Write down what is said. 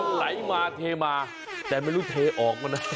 ไหลมาเทมาแต่ไม่รู้เทออกมานะ